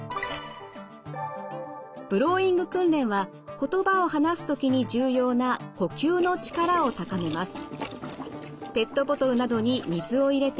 ブローイング訓練は言葉を話す時に重要な呼吸の力を高めます。